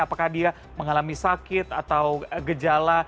apakah dia mengalami sakit atau gejala